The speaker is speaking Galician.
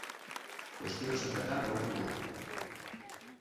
Cuestións a tratar noutro momento.